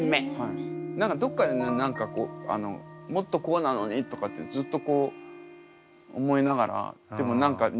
何かどっかでね何か「もっとこうなのに」とかってずっとこう思いながら。